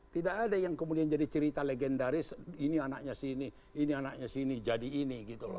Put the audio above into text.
tidak ada yang kemudian jadi cerita legendaris ini anaknya sini ini anaknya sini jadi ini gitu loh